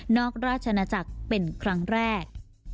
อกราชนาจักรเป็นครั้งแรก